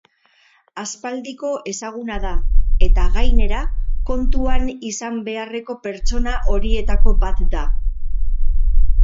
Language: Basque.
Aspaldiko ezaguna da, eta gainera kontuan izan beharreko pertsona horietako bat da.